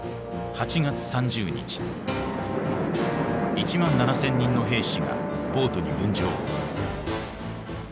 １万７，０００人の兵士がボートに分乗。